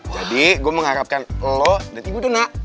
jadi gue mengharapkan lo dan ibu dona